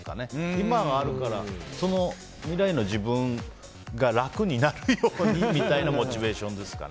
今があるから未来の自分が楽になるようにみたいなモチベーションですかね。